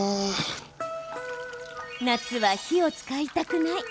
夏は火を使いたくない。